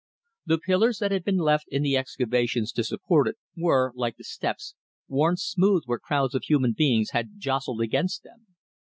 The pillars that had been left in the excavations to support it, were, like the steps, worn smooth where crowds of human beings had jostled against them.